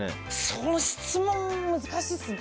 その質問難しいですね。